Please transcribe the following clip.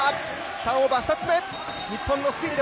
ターンオーバー２つ目。